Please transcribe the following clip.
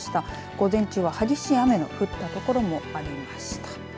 午前中は激しい雨の降った所もありました。